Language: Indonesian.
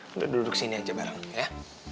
kita duduk sini aja bareng ya